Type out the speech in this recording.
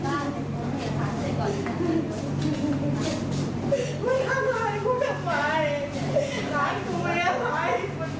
มันไม่ใช่มันพูดไว้อย่างไร